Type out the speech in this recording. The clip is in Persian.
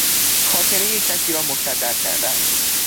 خاطرهی کسی را مکدر کردن